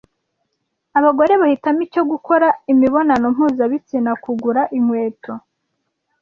abagore bahitamo icyo gukora imibonano mpuzabitsina Kugura inkweto